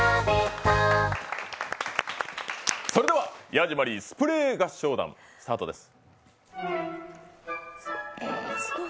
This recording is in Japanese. ヤジマリースプレー合唱団スタートです。